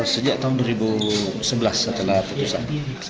sejak tahun dua ribu sebelas setelah putusan